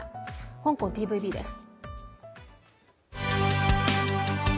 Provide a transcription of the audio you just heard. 香港ＴＶＢです。